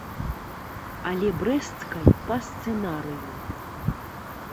Але брэсцкай па сцэнарыю.